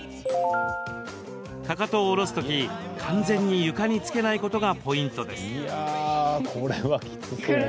かかとを下ろすとき完全に床につけないことがポイントです。